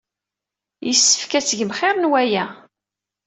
Yessefk ad tgem xir n waya.